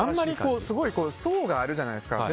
層があるじゃないですか。